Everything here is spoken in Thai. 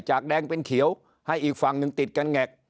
แดงเป็นเขียวให้อีกฝั่งหนึ่งติดกันแงก